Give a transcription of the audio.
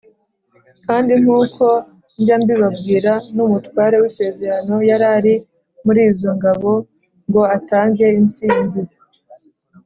kandi nkuko njya mbibabwira, n'umutware w'isezerano yarari muri izo ngabo ngo atange intsinzi.